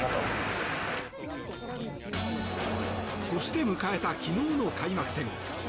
そして迎えた昨日の開幕戦。